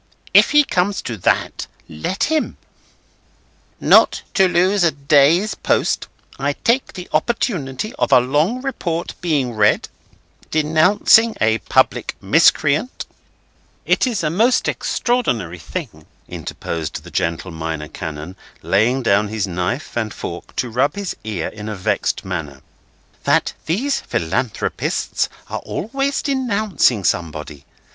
if he comes to that, let him." "'Not to lose a day's post, I take the opportunity of a long report being read, denouncing a public miscreant—'" "It is a most extraordinary thing," interposed the gentle Minor Canon, laying down his knife and fork to rub his ear in a vexed manner, "that these Philanthropists are always denouncing somebody.